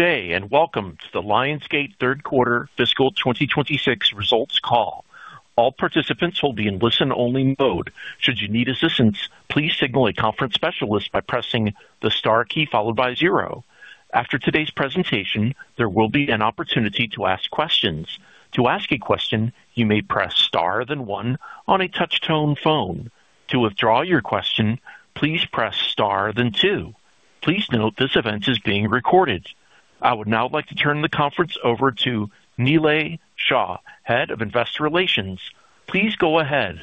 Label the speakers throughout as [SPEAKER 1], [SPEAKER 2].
[SPEAKER 1] Good day, and welcome to the Lionsgate Third Quarter Fiscal 2026 Results Call. All participants will be in listen-only mode. Should you need assistance, please signal a conference specialist by pressing the star key followed by zero. After today's presentation, there will be an opportunity to ask questions. To ask a question, you may press star then one on a touch-tone phone. To withdraw your question, please press star then two. Please note this event is being recorded. I would now like to turn the conference over to Nilay Shah, Head of Investor Relations. Please go ahead.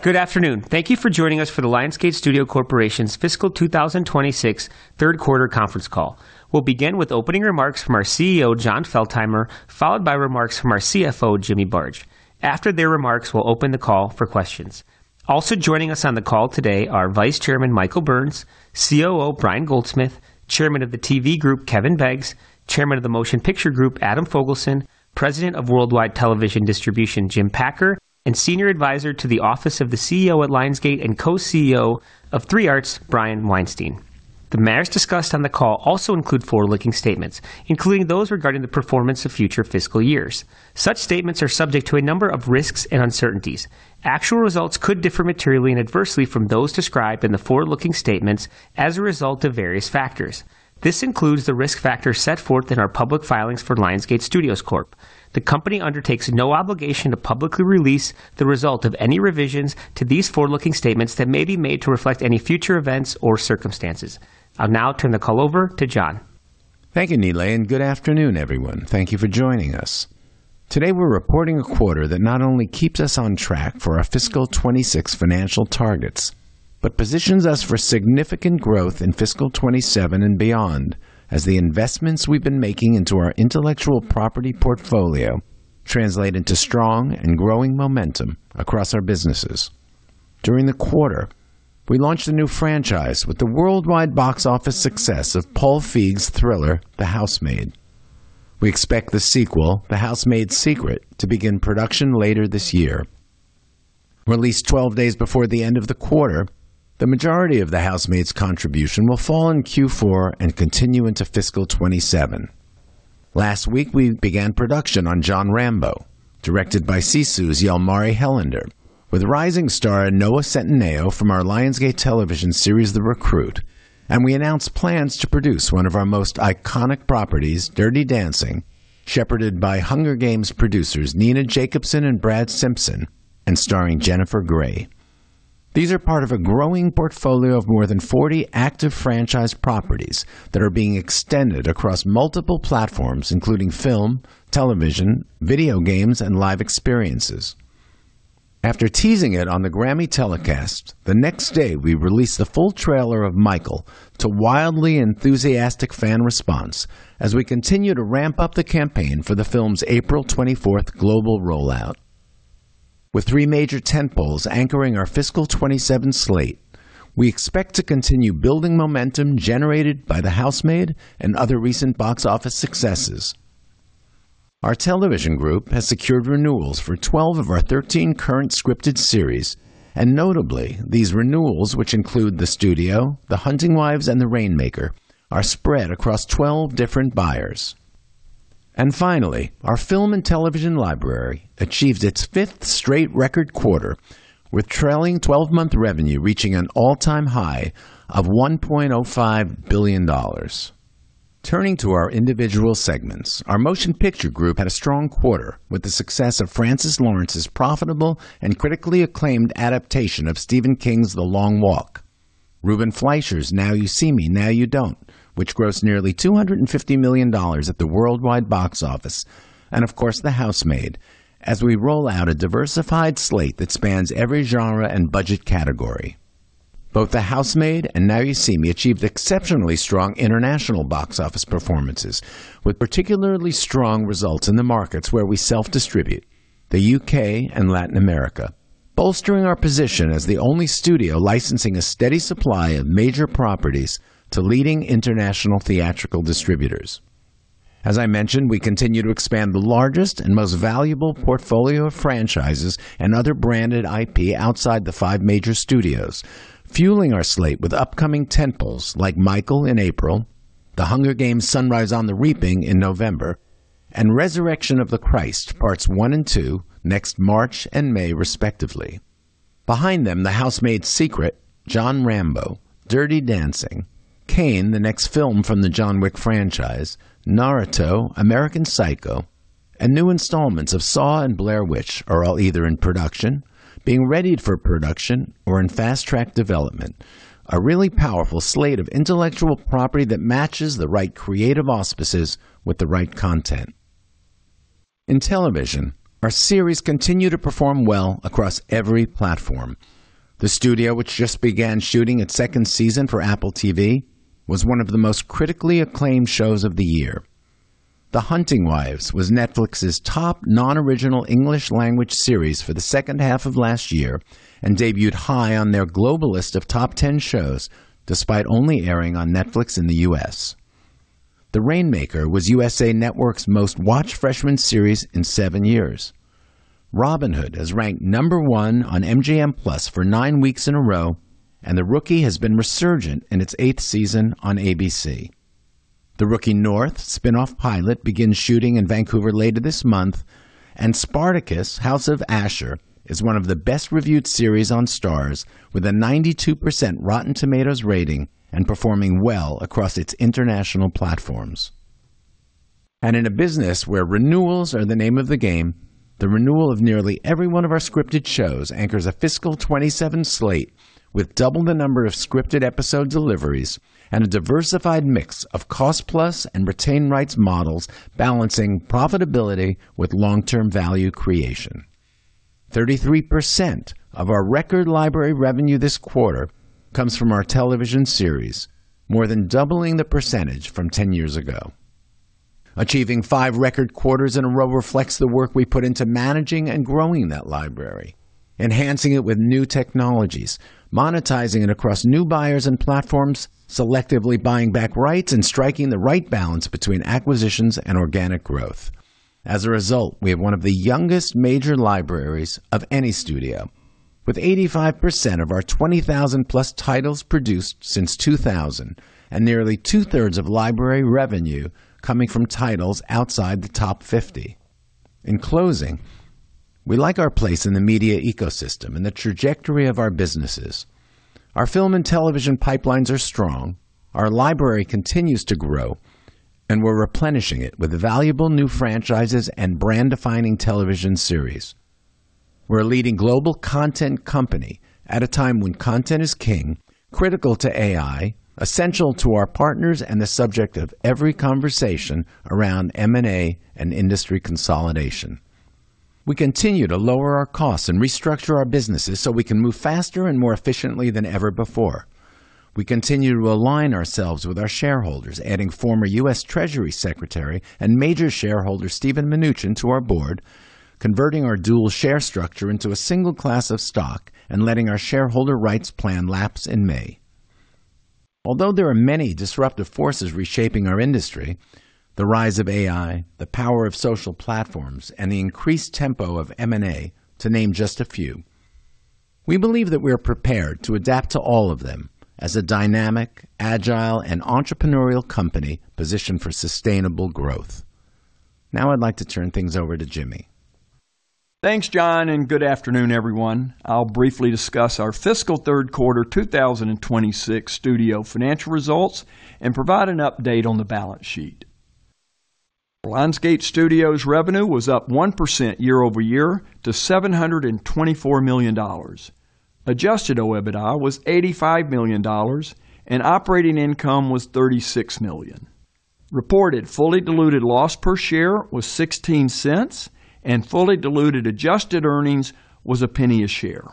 [SPEAKER 2] Good afternoon. Thank you for joining us for the Lionsgate Studios Corporation's Fiscal 2026 Third Quarter Conference Call. We'll begin with opening remarks from our CEO, Jon Feltheimer, followed by remarks from our CFO, Jimmy Barge. After their remarks, we'll open the call for questions. Also joining us on the call today are Vice Chairman Michael Burns, COO Brian Goldsmith, Chairman of the TV Group Kevin Beggs, Chairman of the Motion Picture Group Adam Fogelson, President of Worldwide Television Distribution Jim Packer, and Senior Advisor to the Office of the CEO at Lionsgate and Co-CEO of 3 Arts, Brian Weinstein. The matters discussed on the call also include forward-looking statements, including those regarding the performance of future fiscal years. Such statements are subject to a number of risks and uncertainties. Actual results could differ materially and adversely from those described in the forward-looking statements as a result of various factors. This includes the risk factors set forth in our public filings for Lionsgate Studios Corp. The company undertakes no obligation to publicly release the result of any revisions to these forward-looking statements that may be made to reflect any future events or circumstances. I'll now turn the call over to Jon.
[SPEAKER 3] Thank you, Nilay, and good afternoon, everyone. Thank you for joining us. Today we're reporting a quarter that not only keeps us on track for our Fiscal 2026 financial targets, but positions us for significant growth in Fiscal 2027 and beyond as the investments we've been making into our intellectual property portfolio translate into strong and growing momentum across our businesses. During the quarter, we launched a new franchise with the worldwide box office success of Paul Feig's thriller The Housemaid. We expect the sequel, The Housemaid's Secret, to begin production later this year. Released 12 days before the end of the quarter, the majority of The Housemaid's contribution will fall in Q4 and continue into Fiscal 2027. Last week we began production on John Rambo, directed by Sisu's Jalmari Helander, with rising star Noah Centineo from our Lionsgate Television series The Recruit, and we announced plans to produce one of our most iconic properties, Dirty Dancing, shepherded by Hunger Games producers Nina Jacobson and Brad Simpson and starring Jennifer Grey. These are part of a growing portfolio of more than 40 active franchise properties that are being extended across multiple platforms including film, television, video games, and live experiences. After teasing it on the Grammy telecast, the next day we released the full trailer of Michael to wildly enthusiastic fan response as we continue to ramp up the campaign for the film's April 24th global rollout. With three major tentpoles anchoring our Fiscal 2027 slate, we expect to continue building momentum generated by The Housemaid and other recent box office successes. Our television group has secured renewals for 12 of our 13 current scripted series, and notably, these renewals, which include The Studio, The Hunting Wives, and The Rainmaker, are spread across 12 different buyers. Finally, our film and television library achieved its fifth straight record quarter, with trailing 12-month revenue reaching an all-time high of $1.05 billion. Turning to our individual segments, our motion picture group had a strong quarter with the success of Francis Lawrence's profitable and critically acclaimed adaptation of Stephen King's The Long Walk, Ruben Fleischer's Now You See Me, Now You Don't, which grossed nearly $250 million at the worldwide box office, and of course The Housemaid, as we roll out a diversified slate that spans every genre and budget category. Both The Housemaid and Now You See Me achieved exceptionally strong international box office performances, with particularly strong results in the markets where we self-distribute, the U.K. and Latin America, bolstering our position as the only studio licensing a steady supply of major properties to leading international theatrical distributors. As I mentioned, we continue to expand the largest and most valuable portfolio of franchises and other branded IP outside the five major studios, fueling our slate with upcoming tentpoles like Michael in April, The Hunger Games: Sunrise on the Reaping in November, and Resurrection of the Christ, Parts 1 and 2, next March and May respectively. Behind them, The Housemaid's Secret, John Rambo, Dirty Dancing, Caine, the next film from the John Wick franchise, Naruto, American Psycho, and new installments of Saw and Blair Witch are all either in production, being readied for production, or in fast-track development, a really powerful slate of intellectual property that matches the right creative auspices with the right content. In television, our series continue to perform well across every platform. The Studio, which just began shooting its second season for Apple TV, was one of the most critically acclaimed shows of the year. The Hunting Wives was Netflix's top non-original English language series for the second half of last year and debuted high on their global list of top 10 shows despite only airing on Netflix in the U.S. The Rainmaker was USA Network's most-watched freshman series in seven years. Robin Hood has ranked number one on MGM+ for nine weeks in a row, and The Rookie has been resurgent in its eighth season on ABC. The Rookie North spinoff pilot begins shooting in Vancouver later this month, and Spartacus: House of Ashur is one of the best-reviewed series on Starz with a 92% Rotten Tomatoes rating and performing well across its international platforms. In a business where renewals are the name of the game, the renewal of nearly every one of our scripted shows anchors a Fiscal 2027 slate with double the number of scripted episode deliveries and a diversified mix of cost-plus and retained rights models balancing profitability with long-term value creation. 33% of our record library revenue this quarter comes from our television series, more than doubling the percentage from 10 years ago. Achieving five record quarters in a row reflects the work we put into managing and growing that library, enhancing it with new technologies, monetizing it across new buyers and platforms, selectively buying back rights, and striking the right balance between acquisitions and organic growth. As a result, we have one of the youngest major libraries of any studio, with 85% of our 20,000+ titles produced since 2000 and nearly two-thirds of library revenue coming from titles outside the top 50. In closing, we like our place in the media ecosystem and the trajectory of our businesses. Our film and television pipelines are strong, our library continues to grow, and we're replenishing it with valuable new franchises and brand-defining television series. We're a leading global content company at a time when content is king, critical to AI, essential to our partners, and the subject of every conversation around M&A and industry consolidation. We continue to lower our costs and restructure our businesses so we can move faster and more efficiently than ever before. We continue to align ourselves with our shareholders, adding former U.S. Treasury Secretary and major shareholder Steven Mnuchin to our Board, converting our dual share structure into a single class of stock, and letting our shareholder rights plan lapse in May. Although there are many disruptive forces reshaping our industry, the rise of AI, the power of social platforms, and the increased tempo of M&A, to name just a few, we believe that we are prepared to adapt to all of them as a dynamic, agile, and entrepreneurial company positioned for sustainable growth. Now I'd like to turn things over to Jimmy.
[SPEAKER 4] Thanks, Jon, and good afternoon, everyone. I'll briefly discuss our Fiscal Third Quarter 2026 studio financial results and provide an update on the balance sheet. Lionsgate Studios revenue was up 1% year-over-year to $724 million. Adjusted OIBDA was $85 million, and operating income was $36 million. Reported fully diluted loss per share was $0.16, and fully diluted adjusted earnings was $0.01 a share.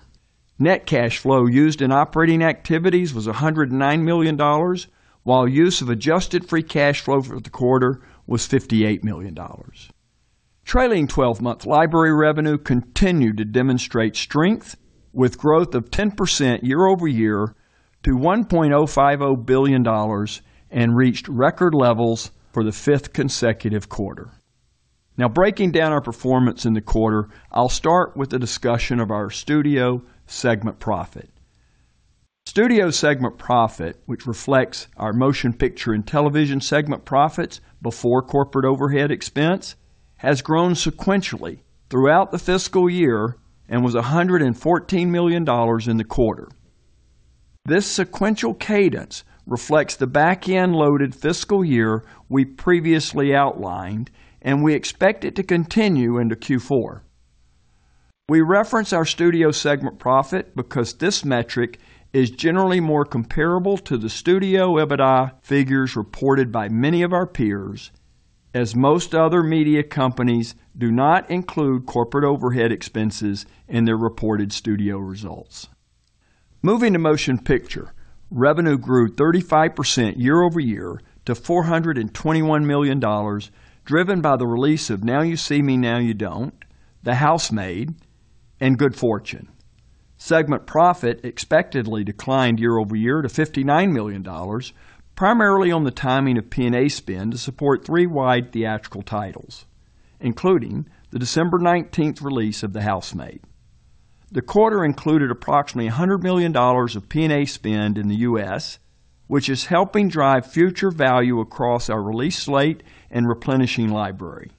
[SPEAKER 4] Net cash flow used in operating activities was $109 million, while use of adjusted free cash flow for the quarter was $58 million. Trailing 12-month library revenue continued to demonstrate strength, with growth of 10% year-over-year to $1.050 billion and reached record levels for the fifth consecutive quarter. Now, breaking down our performance in the quarter, I'll start with the discussion of our studio segment profit. Studio segment profit, which reflects our motion picture and television segment profits before corporate overhead expense, has grown sequentially throughout the fiscal year and was $114 million in the quarter. This sequential cadence reflects the backend-loaded fiscal year we previously outlined, and we expect it to continue into Q4. We reference our studio segment profit because this metric is generally more comparable to the studio OIBDA figures reported by many of our peers, as most other media companies do not include corporate overhead expenses in their reported studio results. Moving to motion picture, revenue grew 35% year-over-year to $421 million, driven by the release of Now You See Me, Now You Don't, The Housemaid, and Good Fortune. Segment profit expectedly declined year-over-year to $59 million, primarily on the timing of P&A spend to support three wide theatrical titles, including the December 19th release of The Housemaid. The quarter included approximately $100 million of P&A spend in the U.S., which is helping drive future value across our released slate and replenishing library.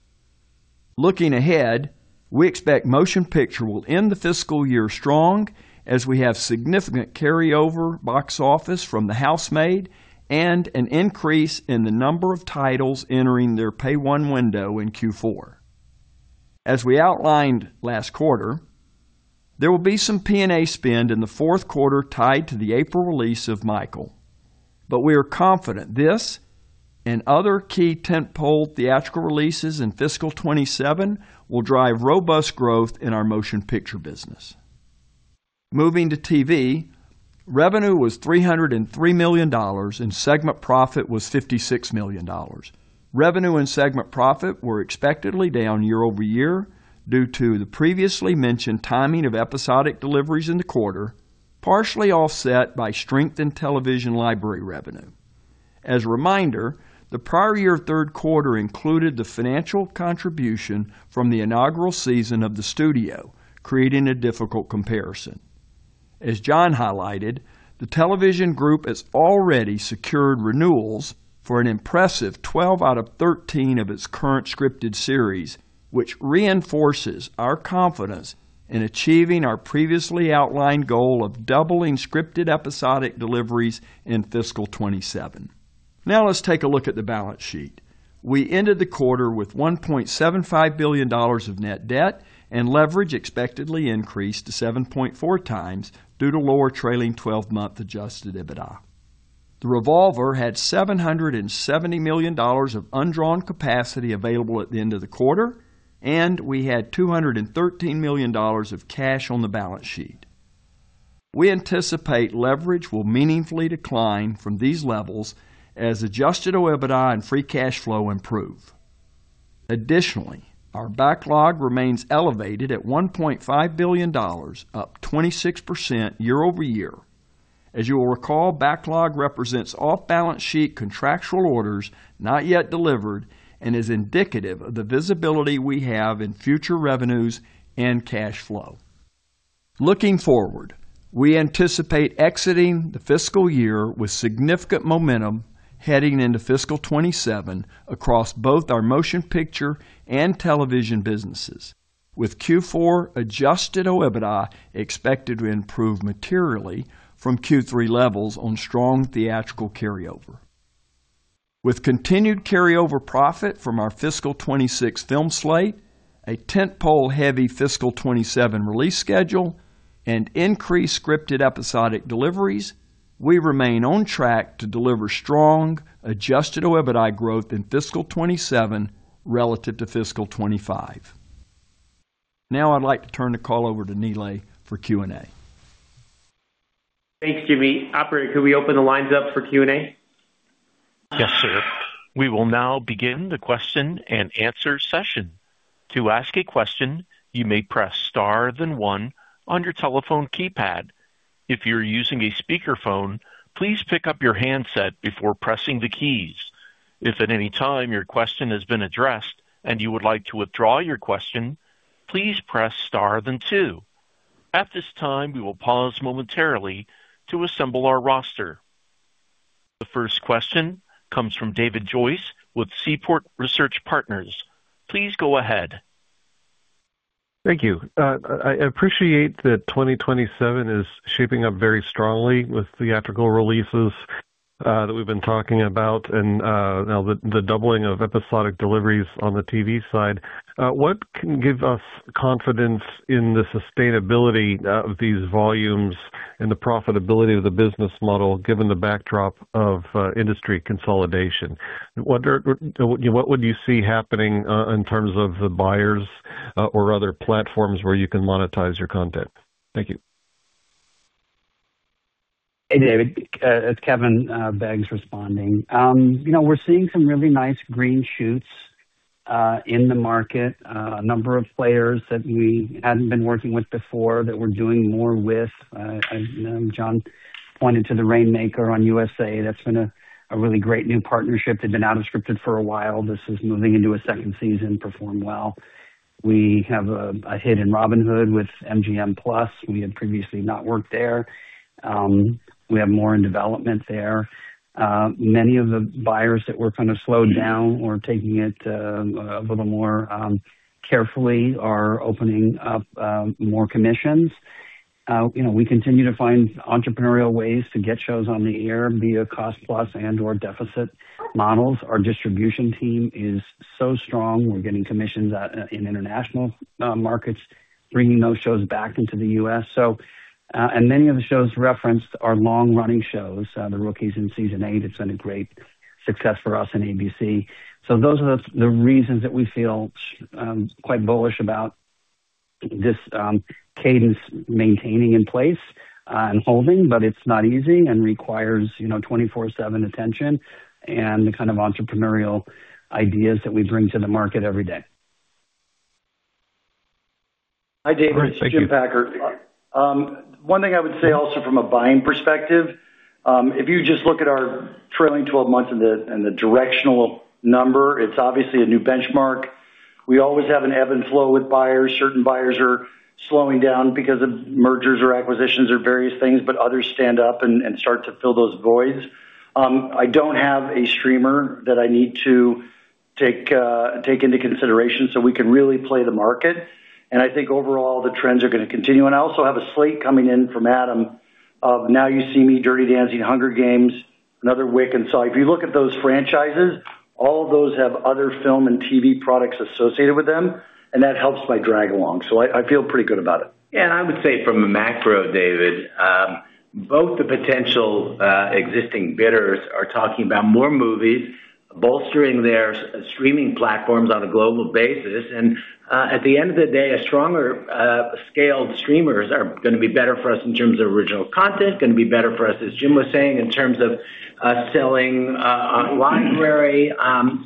[SPEAKER 4] Looking ahead, we expect motion picture will end the fiscal year strong as we have significant carryover box office from The Housemaid and an increase in the number of titles entering their Pay-1 window in Q4. As we outlined last quarter, there will be some P&A spend in the fourth quarter tied to the April release of Michael, but we are confident this and other key tentpole theatrical releases in Fiscal 2027 will drive robust growth in our motion picture business. Moving to TV, revenue was $303 million, and Segment Profit was $56 million. Revenue and Segment Profit were expectedly down year-over-year due to the previously mentioned timing of episodic deliveries in the quarter, partially offset by strengthened television library revenue. As a reminder, the prior year third quarter included the financial contribution from the inaugural season of the studio, creating a difficult comparison. As Jon highlighted, the television group has already secured renewals for an impressive 12 out of 13 of its current scripted series, which reinforces our confidence in achieving our previously outlined goal of doubling scripted episodic deliveries in Fiscal 2027. Now let's take a look at the balance sheet. We ended the quarter with $1.75 billion of net debt and leverage expectedly increased to 7.4x due to lower trailing 12-month Adjusted OIBDA. The revolver had $770 million of undrawn capacity available at the end of the quarter, and we had $213 million of cash on the balance sheet. We anticipate leverage will meaningfully decline from these levels as Adjusted OIBDA and free cash flow improve. Additionally, our backlog remains elevated at $1.5 billion, up 26% year-over-year. As you will recall, backlog represents off-balance sheet contractual orders not yet delivered and is indicative of the visibility we have in future revenues and cash flow. Looking forward, we anticipate exiting the fiscal year with significant momentum heading into Fiscal 2027 across both our motion picture and television businesses, with Q4 adjusted OIBDA expected to improve materially from Q3 levels on strong theatrical carryover. With continued carryover profit from our Fiscal 2026 film slate, a tentpole-heavy Fiscal 2027 release schedule, and increased scripted episodic deliveries, we remain on track to deliver strong adjusted OIBDA growth in Fiscal 2027 relative to Fiscal 2025. Now I'd like to turn the call over to Nilay for Q&A.
[SPEAKER 2] Thanks, Jimmy. Operator, could we open the lines up for Q&A?
[SPEAKER 1] Yes, sir. We will now begin the question-and-answer session. To ask a question, you may press star, then one on your telephone keypad. If you're using a speakerphone, please pick up your handset before pressing the keys. If at any time your question has been addressed and you would like to withdraw your question, please press star, then two. At this time, we will pause momentarily to assemble our roster. The first question comes from David Joyce with Seaport Research Partners. Please go ahead.
[SPEAKER 5] Thank you. I appreciate that 2027 is shaping up very strongly with theatrical releases that we've been talking about and now the doubling of episodic deliveries on the TV side. What can give us confidence in the sustainability of these volumes and the profitability of the business model given the backdrop of industry consolidation? What would you see happening in terms of the buyers or other platforms where you can monetize your content? Thank you.
[SPEAKER 6] Hey, David. It's Kevin Beggs responding. We're seeing some really nice green shoots in the market, a number of players that we hadn't been working with before that we're doing more with. Jon pointed to The Rainmaker on USA. That's been a really great new partnership. They've been out of scripted for a while. This is moving into a second season, perform well. We have a hit in Robin Hood with MGM+. We had previously not worked there. We have more in development there. Many of the buyers that were kind of slowed down or taking it a little more carefully are opening up more commissions. We continue to find entrepreneurial ways to get shows on the air via cost-plus and/or deficit models. Our distribution team is so strong. We're getting commissions in international markets, bringing those shows back into the U.S. Many of the shows referenced are long-running shows. The Rookie in Season 8, it's been a great success for us in ABC. Those are the reasons that we feel quite bullish about this cadence maintaining in place and holding, but it's not easy and requires 24/7 attention and the kind of entrepreneurial ideas that we bring to the market every day.
[SPEAKER 7] Hi, David. It's Jim Packer. One thing I would say also from a buying perspective, if you just look at our trailing 12 months and the directional number, it's obviously a new benchmark. We always have an ebb and flow with buyers. Certain buyers are slowing down because of mergers or acquisitions or various things, but others stand up and start to fill those voids. I don't have a streamer that I need to take into consideration so we can really play the market. And I think overall, the trends are going to continue. And I also have a slate coming in from Adam of Now You See Me, Dirty Dancing, Hunger Games, another Wick sequel. If you look at those franchises, all of those have other film and TV products associated with them, and that helps my drag along. So I feel pretty good about it.
[SPEAKER 6] Yeah. And I would say from a macro, David, both the potential existing bidders are talking about more movies, bolstering their streaming platforms on a global basis. And at the end of the day, a stronger-scaled streamer is going to be better for us in terms of original content, going to be better for us, as Jim was saying, in terms of selling library.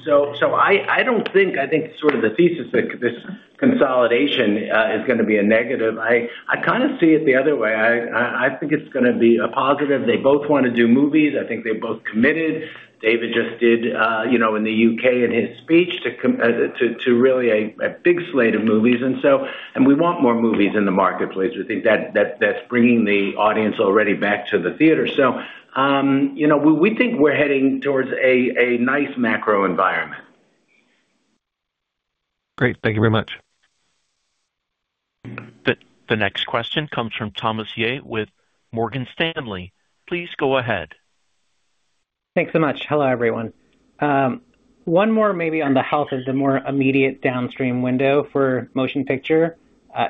[SPEAKER 6] So I don't think I think sort of the thesis that this consolidation is going to be a negative. I kind of see it the other way. I think it's going to be a positive. They both want to do movies. I think they both committed. David just did in the U.K. in his speech to really a big slate of movies. And we want more movies in the marketplace. We think that's bringing the audience already back to the theater. We think we're heading towards a nice macro environment.
[SPEAKER 5] Great. Thank you very much.
[SPEAKER 1] The next question comes from Thomas Yeh with Morgan Stanley. Please go ahead.
[SPEAKER 8] Thanks so much. Hello, everyone. One more maybe on the health of the more immediate downstream window for motion picture.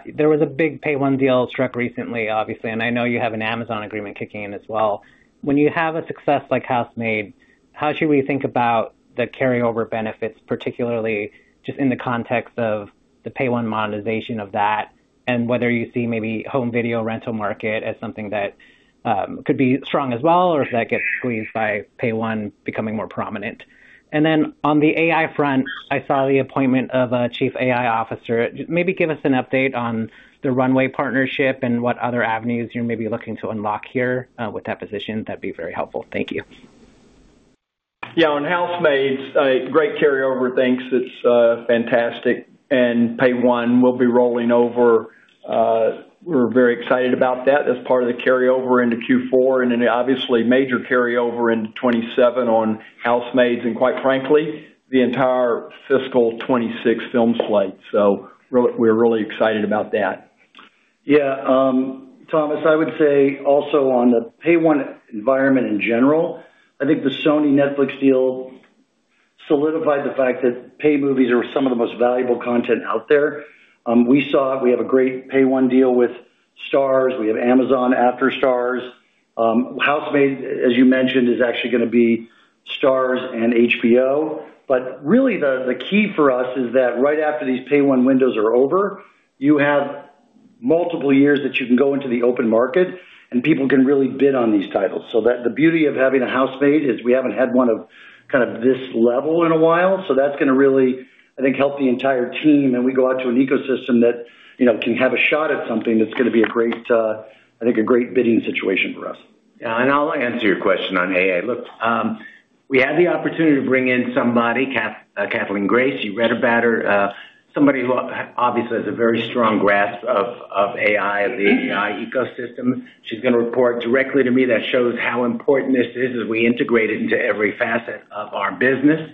[SPEAKER 8] There was a big Pay-1 deal struck recently, obviously, and I know you have an Amazon agreement kicking in as well. When you have a success like Housemaid, how should we think about the carryover benefits, particularly just in the context of the Pay-1 monetization of that and whether you see maybe home video rental market as something that could be strong as well or if that gets squeezed by Pay-1 becoming more prominent? And then on the AI front, I saw the appointment of a Chief AI Officer. Maybe give us an update on the Runway partnership and what other avenues you're maybe looking to unlock here with that position. That'd be very helpful. Thank you.
[SPEAKER 7] Yeah. On The Housemaid, great carryover. Thanks. It's fantastic. Pay-1, we'll be rolling over. We're very excited about that as part of the carryover into Q4 and then, obviously, major carryover into 2027 on The Housemaid's and, quite frankly, the entire fiscal 2026 film slate. So we're really excited about that.
[SPEAKER 3] Yeah. Thomas, I would say also on the Pay-1 environment in general, I think the Sony-Netflix deal solidified the fact that Pay-1 movies are some of the most valuable content out there. We saw it. We have a great Pay-1 deal with Starz. We have Amazon add-on Starz. Housemaid, as you mentioned, is actually going to be Starz and HBO. But really, the key for us is that right after these Pay-1 windows are over, you have multiple years that you can go into the open market, and people can really bid on these titles. So the beauty of having a Housemaid is we haven't had one of kind of this level in a while. So that's going to really, I think, help the entire team, and we go out to an ecosystem that can have a shot at something that's going to be a great, I think, a great bidding situation for us. Yeah. And I'll answer your question on AI. Look, we had the opportunity to bring in somebody, Kathleen Grace. You read about her, somebody who obviously has a very strong grasp of AI, of the AI ecosystem. She's going to report directly to me. That shows how important this is as we integrate it into every facet of our business.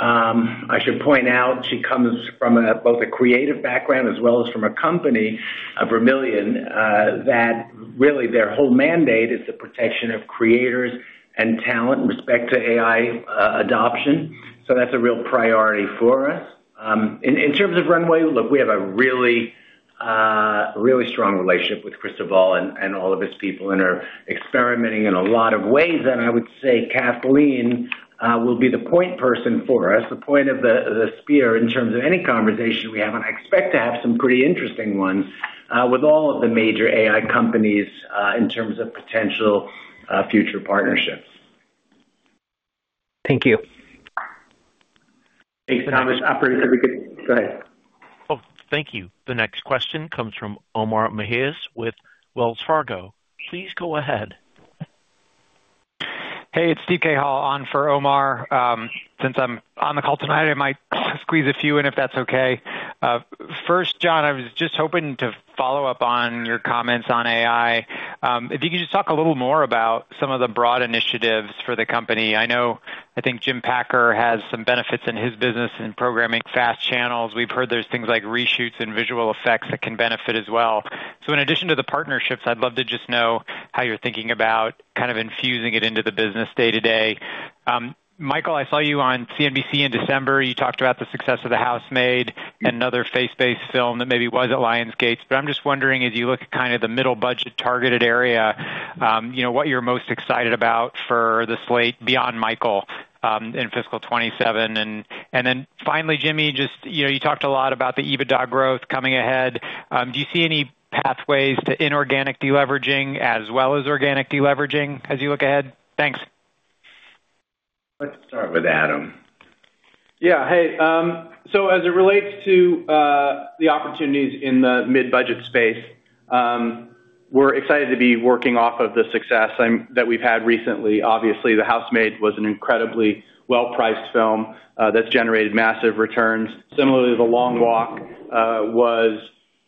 [SPEAKER 3] I should point out she comes from both a creative background as well as from a company of a million that really their whole mandate is the protection of creators and talent and respect to AI adoption. So that's a real priority for us. In terms of Runway, look, we have a really, really strong relationship with Cristóbal Valenzuela and all of his people, and they're experimenting in a lot of ways. And I would say Kathleen will be the point person for us, the point of the spear in terms of any conversation we have. And I expect to have some pretty interesting ones with all of the major AI companies in terms of potential future partnerships.
[SPEAKER 8] Thank you.
[SPEAKER 2] Thanks, Thomas. Operator, if we could go ahead.
[SPEAKER 1] Oh, thank you. The next question comes from Omar Mejias with Wells Fargo. Please go ahead.
[SPEAKER 9] Hey, it's Steven Cahall on for Omar. Since I'm on the call tonight, I might squeeze a few in if that's okay. First, Jon, I was just hoping to follow up on your comments on AI. If you could just talk a little more about some of the broad initiatives for the company. I think Jim Packer has some benefits in his business in programming FAST channels. We've heard there's things like reshoots and visual effects that can benefit as well. So in addition to the partnerships, I'd love to just know how you're thinking about kind of infusing it into the business day-to-day. Michael, I saw you on CNBC in December. You talked about the success of The Housemaid, another VFX-based film that maybe was at Lionsgate. I'm just wondering, as you look at kind of the middle-budget targeted area, what you're most excited about for the slate beyond Michael in Fiscal 2027? And then finally, Jimmy, you talked a lot about the EBITDA growth coming ahead. Do you see any pathways to inorganic deleveraging as well as organic deleveraging as you look ahead? Thanks.
[SPEAKER 3] Let's start with Adam.
[SPEAKER 10] Yeah. Hey. So as it relates to the opportunities in the mid-budget space, we're excited to be working off of the success that we've had recently. Obviously, The Housemaid was an incredibly well-priced film that's generated massive returns. Similarly, The Long Walk was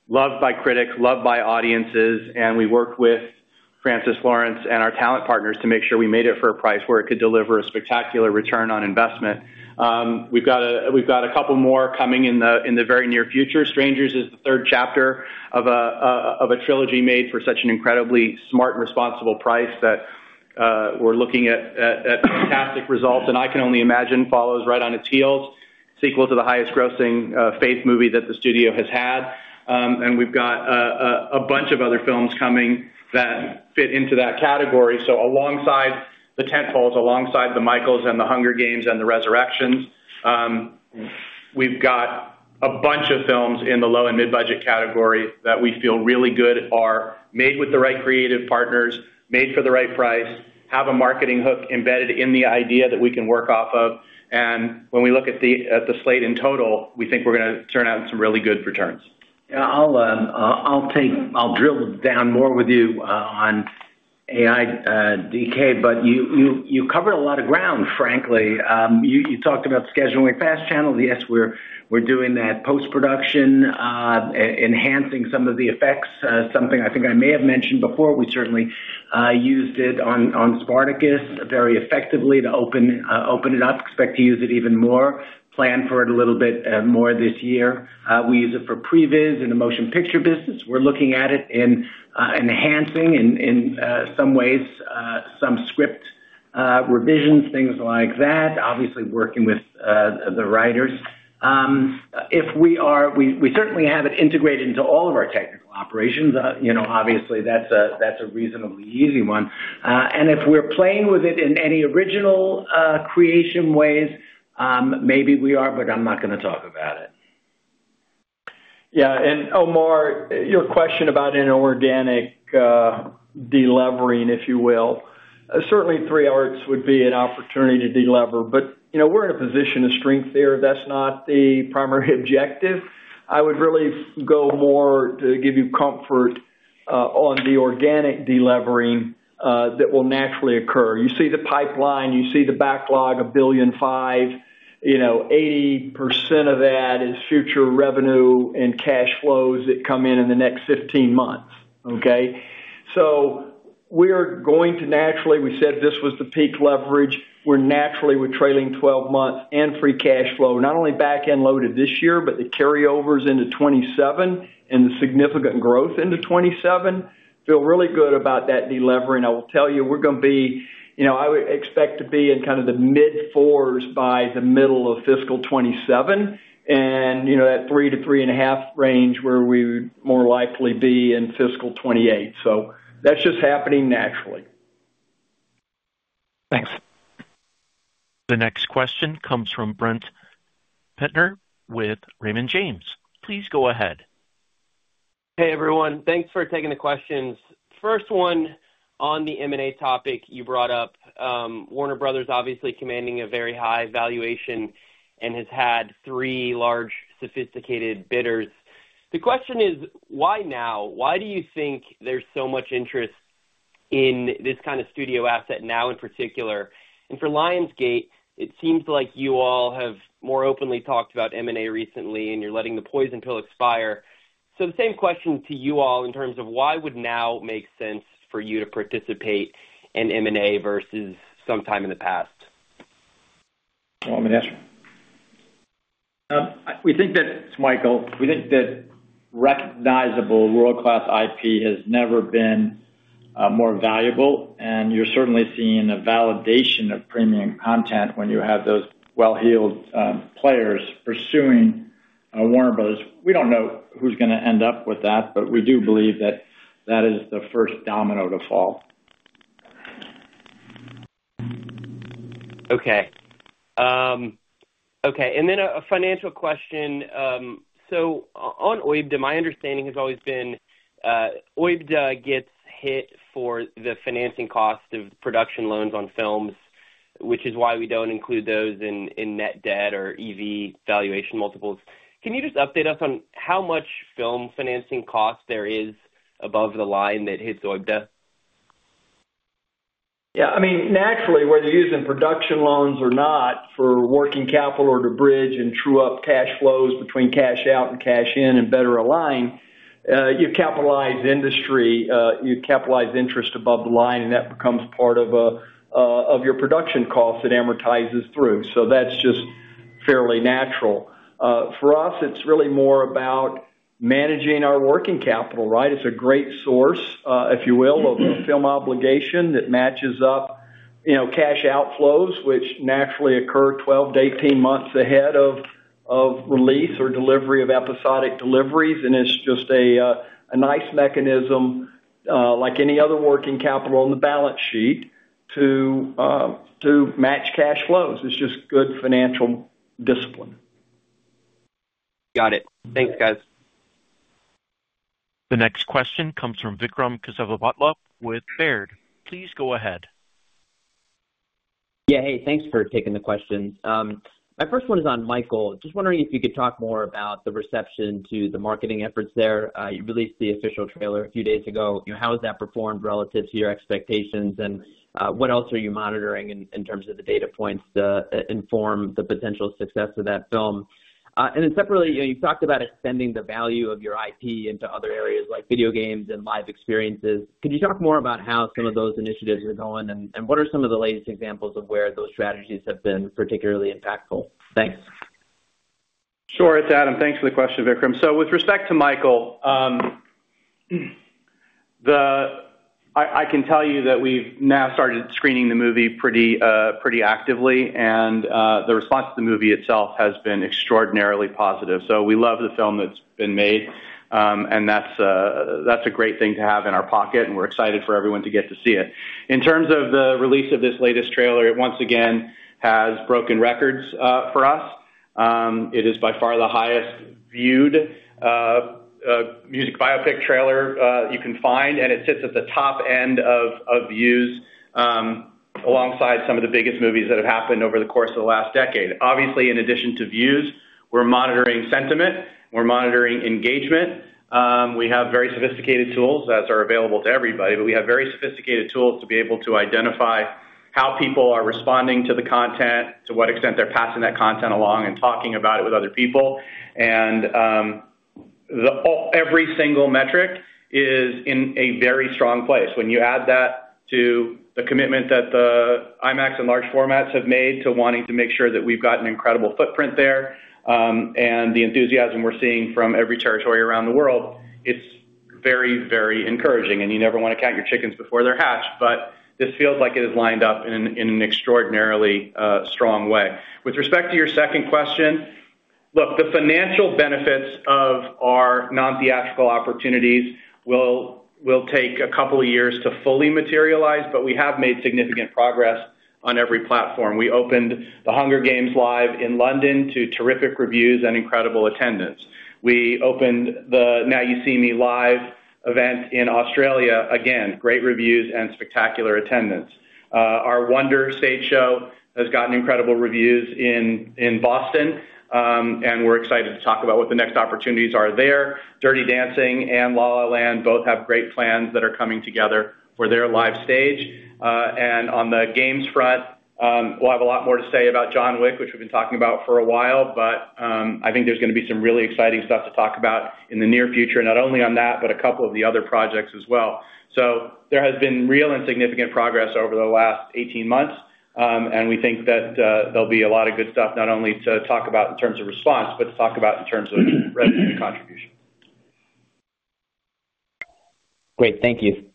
[SPEAKER 10] loved by critics, loved by audiences. And we worked with Francis Lawrence and our talent partners to make sure we made it for a price where it could deliver a spectacular return on investment. We've got a couple more coming in the very near future. The Strangers is the third chapter of a trilogy made for such an incredibly smart and responsible price that we're looking at fantastic results. And I Can Only Imagine follows right on its heels, sequel to the highest-grossing faith movie that the studio has had. And we've got a bunch of other films coming that fit into that category. So alongside the tentpoles, alongside the Michael and the Hunger Games and the Resurrection, we've got a bunch of films in the low and mid-budget category that we feel really good are made with the right creative partners, made for the right price, have a marketing hook embedded in the idea that we can work off of. When we look at the slate in total, we think we're going to turn out in some really good returns.
[SPEAKER 6] Yeah. I'll drill down more with you on AI tech, but you covered a lot of ground, frankly. You talked about scheduling fast channels. Yes, we're doing that post-production, enhancing some of the effects. Something I think I may have mentioned before, we certainly used it on Spartacus very effectively to open it up, expect to use it even more, plan for it a little bit more this year. We use it for previs in the motion picture business. We're looking at it in enhancing, in some ways, some script revisions, things like that, obviously working with the writers. We certainly have it integrated into all of our technical operations. Obviously, that's a reasonably easy one. And if we're playing with it in any original creation ways, maybe we are, but I'm not going to talk about it.
[SPEAKER 4] Yeah. And Omar, your question about inorganic delevering, if you will, certainly 3 Arts would be an opportunity to delever. But we're in a position of strength there. That's not the primary objective. I would really go more to give you comfort on the organic delevering that will naturally occur. You see the pipeline. You see the backlog of $1.5 billion. 80% of that is future revenue and cash flows that come in in the next 15 months, okay? So we're going to naturally we said this was the peak leverage. We're naturally with trailing 12 months and free cash flow, not only backend loaded this year, but the carryovers into 2027 and the significant growth into 2027. Feel really good about that delevering. I will tell you, we're going to be I would expect to be in kind of the mid-fours by the middle of Fiscal 2027 and that 3-3.5 range where we would more likely be in Fiscal 2028. So that's just happening naturally.
[SPEAKER 1] Thanks. The next question comes from Brent Penter with Raymond James. Please go ahead.
[SPEAKER 11] Hey, everyone. Thanks for taking the questions. First one on the M&A topic you brought up. Warner Bros. obviously commanding a very high valuation and has had three large sophisticated bidders. The question is, why now? Why do you think there's so much interest in this kind of studio asset now in particular? And for Lionsgate, it seems like you all have more openly talked about M&A recently, and you're letting the poison pill expire. So the same question to you all in terms of why would now make sense for you to participate in M&A versus sometime in the past?
[SPEAKER 12] Well, I'm going to ask you. We think that it's Michael. We think that recognizable world-class IP has never been more valuable. You're certainly seeing a validation of premium content when you have those well-heeled players pursuing Warner Bros. We don't know who's going to end up with that, but we do believe that that is the first domino to fall.
[SPEAKER 11] Okay. Okay. And then a financial question. So on OIBDA, my understanding has always been OIBDA gets hit for the financing cost of production loans on films, which is why we don't include those in net debt or EV valuation multiples. Can you just update us on how much film financing cost there is above the line that hits OIBDA?
[SPEAKER 4] Yeah. I mean, naturally, whether you're using production loans or not for working capital or to bridge and true up cash flows between cash out and cash in and better align, you capitalize industry. You capitalize interest above the line, and that becomes part of your production costs that amortizes through. So that's just fairly natural. For us, it's really more about managing our working capital, right? It's a great source, if you will, of film obligation that matches up cash outflows, which naturally occur 12-18 months ahead of release or delivery of episodic deliveries. And it's just a nice mechanism, like any other working capital on the balance sheet, to match cash flows. It's just good financial discipline.
[SPEAKER 11] Got it. Thanks, guys.
[SPEAKER 1] The next question comes from Vikram Kesavabhotla with Baird. Please go ahead.
[SPEAKER 13] Yeah. Hey. Thanks for taking the questions. My first one is on Michael. Just wondering if you could talk more about the reception to the marketing efforts there. You released the official trailer a few days ago. How has that performed relative to your expectations, and what else are you monitoring in terms of the data points to inform the potential success of that film? And then separately, you've talked about extending the value of your IP into other areas like video games and live experiences. Could you talk more about how some of those initiatives are going, and what are some of the latest examples of where those strategies have been particularly impactful? Thanks.
[SPEAKER 10] Sure, it's Adam. Thanks for the question, Vikram. So with respect to Michael, I can tell you that we've now started screening the movie pretty actively, and the response to the movie itself has been extraordinarily positive. So we love the film that's been made, and that's a great thing to have in our pocket, and we're excited for everyone to get to see it. In terms of the release of this latest trailer, it once again has broken records for us. It is by far the highest-viewed music biopic trailer you can find, and it sits at the top end of views alongside some of the biggest movies that have happened over the course of the last decade. Obviously, in addition to views, we're monitoring sentiment. We're monitoring engagement. We have very sophisticated tools that are available to everybody, but we have very sophisticated tools to be able to identify how people are responding to the content, to what extent they're passing that content along and talking about it with other people. Every single metric is in a very strong place. When you add that to the commitment that the IMAX and large formats have made to wanting to make sure that we've got an incredible footprint there and the enthusiasm we're seeing from every territory around the world, it's very, very encouraging. You never want to count your chickens before they're hatched, but this feels like it is lined up in an extraordinarily strong way. With respect to your second question, look, the financial benefits of our non-theatrical opportunities will take a couple of years to fully materialize, but we have made significant progress on every platform. We opened The Hunger Games live in London to terrific reviews and incredible attendance. We opened the Now You See Me Live event in Australia again, great reviews and spectacular attendance. Our Wonder stage show has gotten incredible reviews in Boston, and we're excited to talk about what the next opportunities are there. Dirty Dancing and La La Land both have great plans that are coming together for their live stage. On the games front, we'll have a lot more to say about John Wick, which we've been talking about for a while, but I think there's going to be some really exciting stuff to talk about in the near future, not only on that, but a couple of the other projects as well. There has been real and significant progress over the last 18 months, and we think that there'll be a lot of good stuff not only to talk about in terms of response, but to talk about in terms of revenue and contribution.
[SPEAKER 13] Great. Thank you.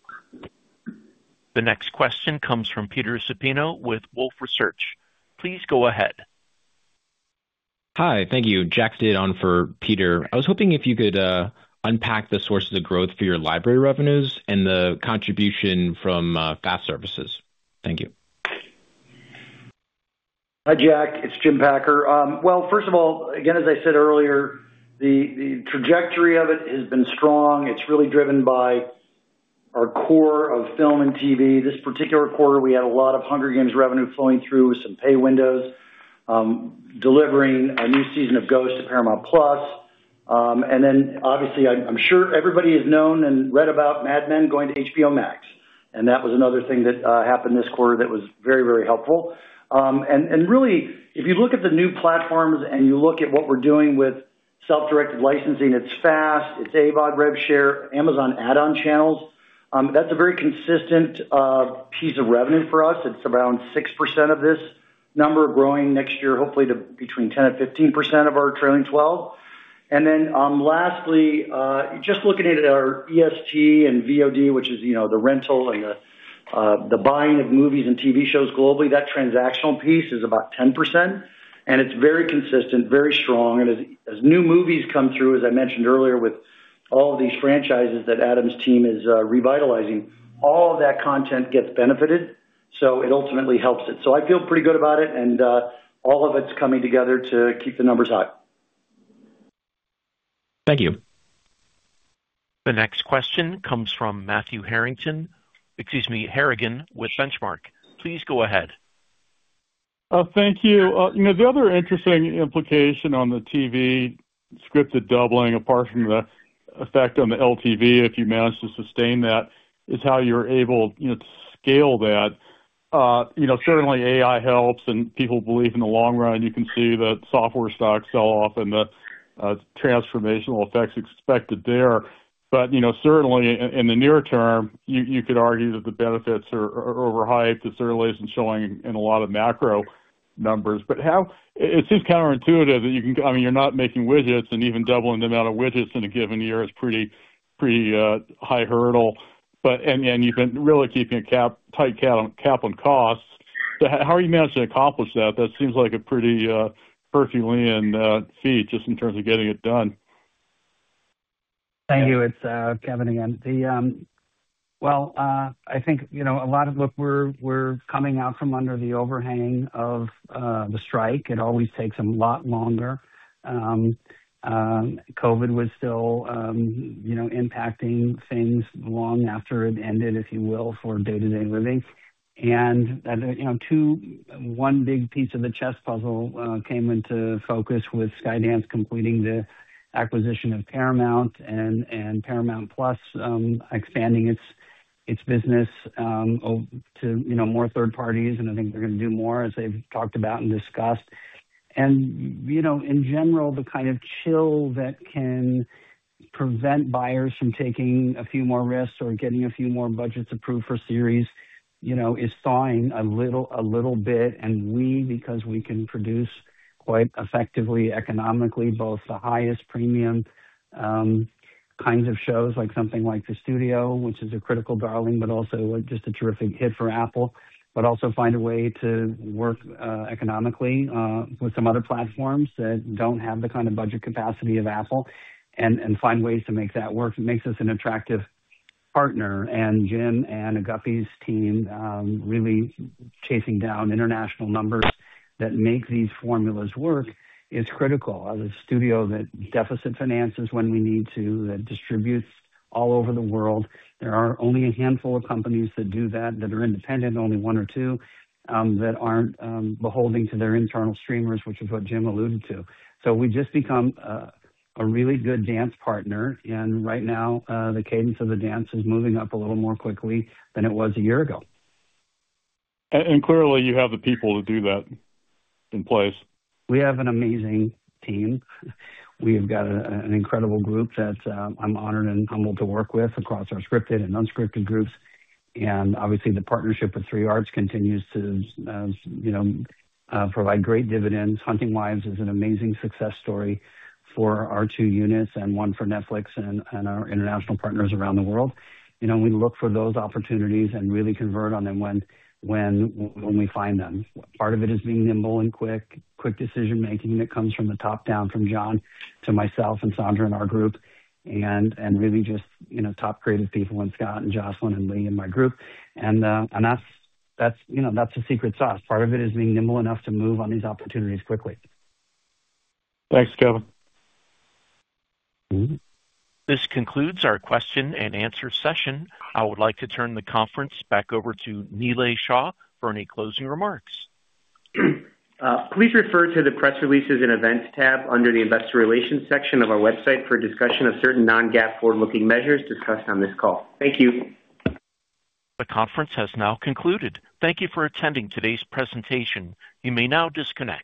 [SPEAKER 1] The next question comes from Peter Supino with Wolfe Research. Please go ahead.
[SPEAKER 14] Hi. Thank you. Jack Stid, on for Peter. I was hoping if you could unpack the sources of growth for your library revenues and the contribution from FAST services. Thank you.
[SPEAKER 7] Hi, Jack. It's Jim Packer. Well, first of all, again, as I said earlier, the trajectory of it has been strong. It's really driven by our core of film and TV. This particular quarter, we had a lot of Hunger Games revenue flowing through with some pay windows, delivering a new season of Ghosts to Paramount+. And then obviously, I'm sure everybody has known and read about Mad Men going to HBO Max, and that was another thing that happened this quarter that was very, very helpful. And really, if you look at the new platforms and you look at what we're doing with self-directed licensing, it's FAST. It's AVOD, RevShare, Amazon add-on channels. That's a very consistent piece of revenue for us. It's around 6% of this number, growing next year, hopefully, to between 10%-15% of our trailing 12. Then lastly, just looking at our EST and VOD, which is the rental and the buying of movies and TV shows globally, that transactional piece is about 10%. It's very consistent, very strong. As new movies come through, as I mentioned earlier with all of these franchises that Adam's team is revitalizing, all of that content gets benefited, so it ultimately helps it. I feel pretty good about it, and all of it's coming together to keep the numbers high.
[SPEAKER 14] Thank you.
[SPEAKER 1] The next question comes from Matthew Harrington, excuse me, Harrigan with Benchmark. Please go ahead.
[SPEAKER 15] Thank you. The other interesting implication on the TV scripted doubling, apart from the effect on the LTV, if you manage to sustain that, is how you're able to scale that. Certainly, AI helps, and people believe in the long run. You can see that software stocks sell off and the transformational effects expected there. But certainly, in the near term, you could argue that the benefits are overhyped. It certainly isn't showing in a lot of macro numbers. But it seems counterintuitive that you can, I mean, you're not making widgets, and even doubling the amount of widgets in a given year is a pretty high hurdle. And you've been really keeping a tight cap on costs. So how are you managing to accomplish that? That seems like a pretty formidable feat just in terms of getting it done.
[SPEAKER 6] Thank you. It's Kevin again. Well, I think a lot of look, we're coming out from under the overhang of the strike. It always takes a lot longer. COVID was still impacting things long after it ended, if you will, for day-to-day living. And one big piece of the chess puzzle came into focus with Skydance completing the acquisition of Paramount and Paramount+ expanding its business to more third parties. And I think they're going to do more, as they've talked about and discussed. And in general, the kind of chill that can prevent buyers from taking a few more risks or getting a few more budgets approved for series is thawing a little bit. We, because we can produce quite effectively, economically, both the highest premium kinds of shows like something like The Studio, which is a critical darling, but also just a terrific hit for Apple, but also find a way to work economically with some other platforms that don't have the kind of budget capacity of Apple and find ways to make that work. It makes us an attractive partner. And Jim and Agapy's team really chasing down international numbers that make these formulas work is critical. As a studio that deficit finances when we need to, that distributes all over the world, there are only a handful of companies that do that, that are independent, only one or two, that aren't beholden to their internal streamers, which is what Jim alluded to. So we just become a really good dance partner. Right now, the cadence of the dance is moving up a little more quickly than it was a year ago.
[SPEAKER 15] Clearly, you have the people to do that in place.
[SPEAKER 6] We have an amazing team. We have got an incredible group that I'm honored and humbled to work with across our scripted and unscripted groups. Obviously, the partnership with 3 Arts continues to provide great dividends. Hunting Wives is an amazing success story for our two units and one for Netflix and our international partners around the world. We look for those opportunities and really convert on them when we find them. Part of it is being nimble and quick, quick decision-making that comes from the top down from John to myself and Sandra and our group and really just top creative people and Scott and Jocelyn and Lee and my group. That's a secret sauce. Part of it is being nimble enough to move on these opportunities quickly.
[SPEAKER 15] Thanks, Kevin.
[SPEAKER 1] This concludes our question-and-answer session. I would like to turn the conference back over to Nilay Shah for any closing remarks.
[SPEAKER 2] Please refer to the Press Releases and Events tab under the Investor Relations section of our website for a discussion of certain non-GAAP forward-looking measures discussed on this call. Thank you.
[SPEAKER 1] The conference has now concluded. Thank you for attending today's presentation. You may now disconnect.